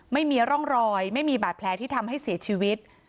ไม่มีร่องรอยไม่มีบาดแผลที่ทำให้เสียชีวิต